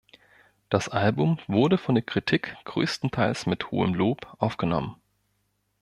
Das Album wurde von der Kritik größtenteils mit hohem Lob aufgenommen.